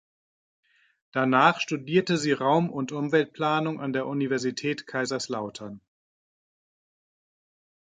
Danach studierte sie Raum- und Umweltplanung an der Universität Kaiserslautern.